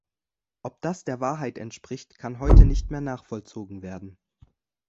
Ob das der Wahrheit entspricht, kann heute nicht mehr nachvollzogen werden.